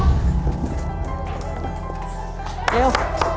เร็ว